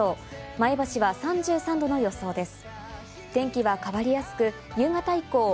前橋は３３度の予想です。